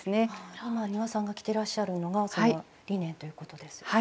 今丹羽さんが着てらっしゃるのがそのリネンということですよね。